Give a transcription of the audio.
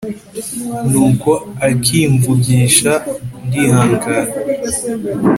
nuko akimvugisha ndihangana